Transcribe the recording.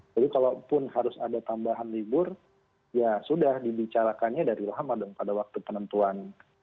jadi kalau pun harus ada tambahan libur ya sudah dibicarakannya dari lama dong pada waktu penentuan